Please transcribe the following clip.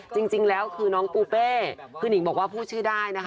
จริงแล้วคือน้องปูเป้คือนิงบอกว่าพูดชื่อได้นะคะ